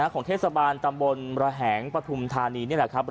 ของเทศบาลตำบลระแหงปฐุมธานีนี่แหละครับ